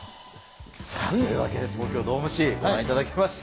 というわけで東京ドーム史、ご覧いただきました。